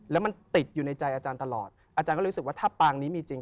เขาใจอาจารย์ตลอดอาจารย์ก็เลยรู้สึกว่าถ้าปางนี้มีจริง